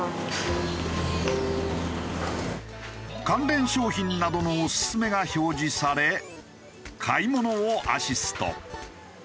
関連商品などのオススメが表示され買い物をアシスト。